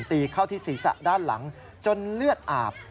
ตีเข้าที่ศีรษะด้านหลังจนเลือดอาบ